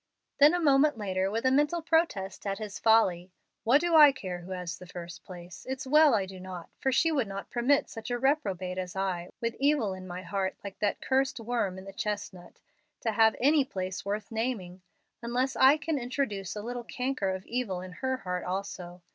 Then a moment later with a mental protest at his folly, "What do I care who has the first place? It's well I do not, for she would not permit such a reprobate as I, with evil in my heart like that cursed worm in the chestnut, to have any place worth naming unless I can introduce a little canker of evil in her heart also.